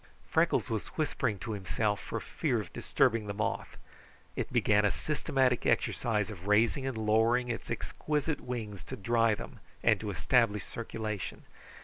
Freckles was whispering to himself for fear of disturbing the moth. It began a systematic exercise of raising and lowering its exquisite wings to dry them and to establish circulation.